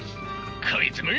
こいつめ！